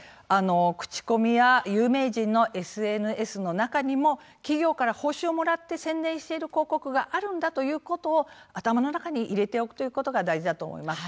口コミや有名人のＳＮＳの中にも企業から報酬をもらって宣伝している広告があるんだということを頭の中に入れておくということが大事だと思います。